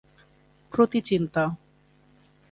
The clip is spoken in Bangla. প্রতিচিন্তা